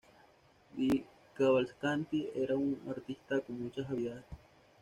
Di Cavalcanti era un artista con muchas habilidades.